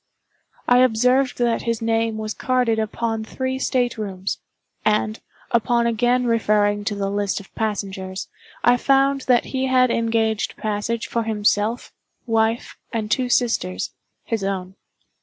I observed that his name was carded upon three state rooms; and, upon again referring to the list of passengers, I found that he had engaged passage for himself, wife, and two sisters—his own.